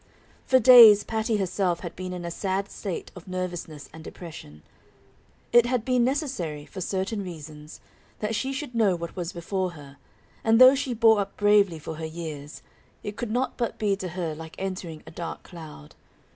For days Patty herself had been in a sad state of nervousness and depression; it had been necessary, for certain reasons, that she should know what was before her, and though she bore up bravely for her years, it could not but be to her like entering a dark cloud.